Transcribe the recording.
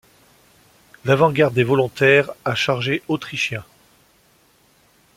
L'avant-garde de volontaires a chargé Autrichiens.